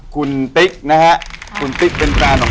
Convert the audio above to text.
อยู่ที่แม่ศรีวิรัยิลครับ